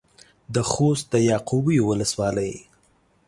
د خوست د يعقوبيو ولسوالۍ.